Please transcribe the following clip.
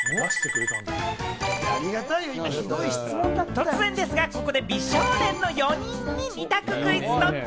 突然ですが、ここで美少年の４人に二択クイズ、ドッチ？